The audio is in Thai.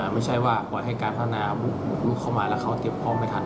ไม่ใช่ว่าปล่อยให้การพัฒนาเข้ามาแล้วเขาเตรียมพร้อมไม่ทัน